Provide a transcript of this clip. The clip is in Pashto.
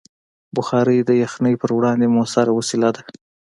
بخاري د یخنۍ پر وړاندې مؤثره وسیله ده.